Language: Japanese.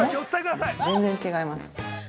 全然違います。